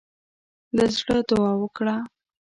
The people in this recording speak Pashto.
له زړۀ دعا وکړه.